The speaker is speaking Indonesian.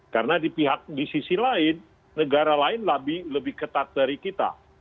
karena di sisi lain negara lain lebih ketat dari kita